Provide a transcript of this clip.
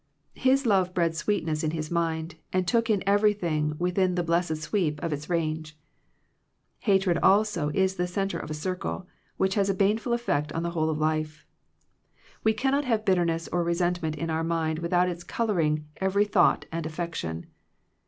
His love bred sweetness in his mind, and took in every thing within the blessed sweep of its range. Hatred also is the centre of a cir cle, which has a baneful effect on the whole life. We cannot have bitterness or resentment in our mind without its coloring every thought and affection.